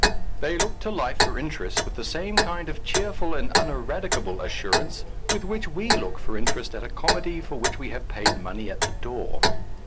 They look to life for interest with the same kind of cheerful and uneradicable assurance with which we look for interest at a comedy for which we have paid money at the door.